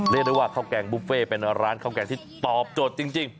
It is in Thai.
เรียกได้ว่าข้าวแกงบุฟเฟ่เป็นร้านข้าวแกงที่ตอบโจทย์จริง